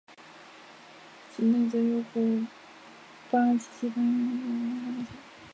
近代则由古巴及其他南美洲国家所发展起来。